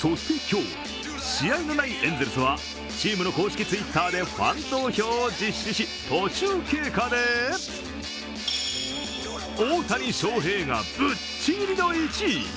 そして今日、試合のないエンゼルスはチームの公式Ｔｗｉｔｔｅｒでファン投票を実施し途中経過で大谷翔平がぶっちぎりの１位。